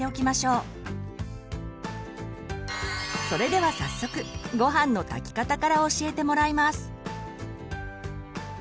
それでは早速ごはんの炊き方から教えてもらいます。